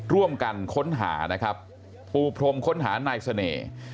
ร่วมกันค้นหานะครับปูพรมค้นหานายเสน่ห์